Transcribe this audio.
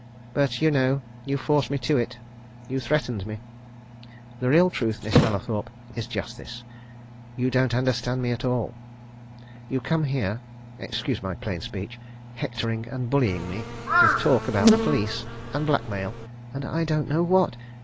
But, you know, you forced me to it! You threatened me. The real truth, Miss Mallathorpe, is just this you don't understand me at all. You come here excuse my plain speech hectoring and bullying me with talk about the police, and blackmail, and I don't know what!